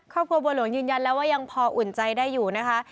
ครอบครัวบัวหลวงยืนยันแล้วว่ายังพออุ่นใจได้อยู่นะคะ